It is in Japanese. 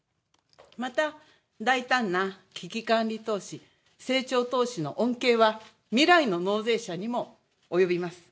また、大胆な危機管理投資、成長投資の恩恵は未来の納税者にも及びます。